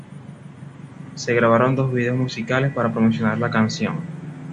Se grabaron dos videos musicales para promocionar la canción.